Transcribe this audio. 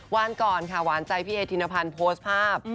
วันก่อนค่ะหวานใจพี่เอธินพันธ์โพสต์ภาพ